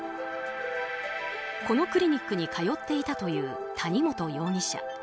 このクリニックに通っていたという谷本容疑者。